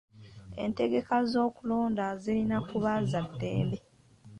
Entegeka z'okulonda zirina kuba za ddembe.